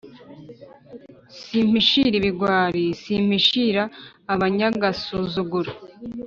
Simpishira ibigwari, simpishira abanyagasuzuguro,